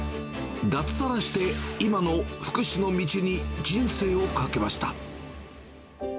脱サラして、今の福祉の道に人生をかけました。